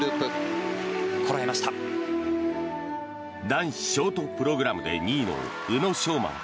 男子ショートプログラムで２位の宇野昌磨。